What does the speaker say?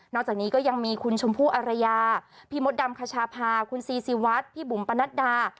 จากนี้ก็ยังมีคุณชมพู่อารยาพี่มดดำคชาพาคุณซีซีวัดพี่บุ๋มปนัดดา